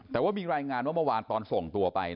แต่ว่ามีรายงานว่าเมื่อวานตอนส่งตัวไป